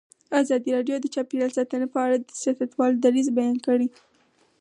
ازادي راډیو د چاپیریال ساتنه په اړه د سیاستوالو دریځ بیان کړی.